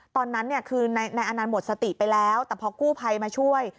ตอนนั้นคือนายอนันต์หมดสติไปแล้วแต่พอกู้ภัยมาช่วย